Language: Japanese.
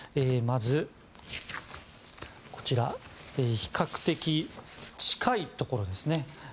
まず、比較的近いところですね。